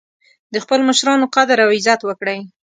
د خپلو مشرانو قدر او عزت وکړئ